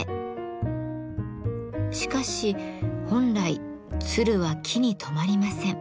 しかし本来鶴は木にとまリません。